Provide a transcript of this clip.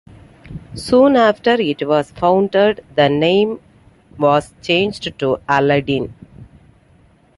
Soon after it was founded, the name was changed to Aladdin.